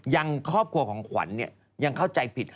ครอบครัวของขวัญยังเข้าใจผิด